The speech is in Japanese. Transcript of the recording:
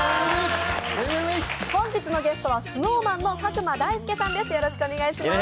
本日のゲストはＳｎｏｗＭａｎの佐久間大介さんです。